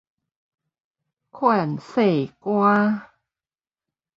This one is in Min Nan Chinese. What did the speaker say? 勸世歌